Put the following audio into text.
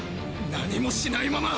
なにもしないまま！